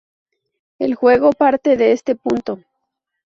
El juego parte de este punto.